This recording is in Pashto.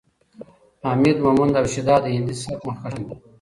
حمید مومند او شیدا د هندي سبک مخکښان دي.